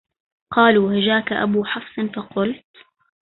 قالوا هجاك أبو حفص فقلت